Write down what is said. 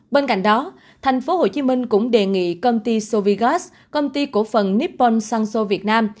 bên cạnh đó thành phố hồ chí minh cũng đề nghị công ty sovigaz công ty cổ phần nippon sanzo việt nam